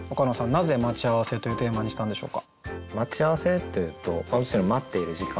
なぜ「待ち合わせ」というテーマにしたんでしょうか。